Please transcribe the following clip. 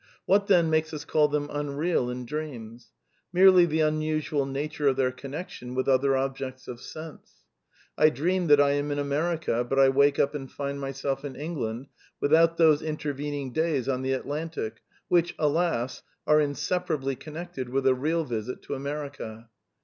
Whaty then, makes ns call them nnreal in dreams? Merely the nnnsual nature of their connection with other objects of sense. I dream that I am in America, bnt I wake np and find myself in Enidand without those interveniDi? days on the Atlantic which, aJasI are inseparably connected with a ^reaP visit to America.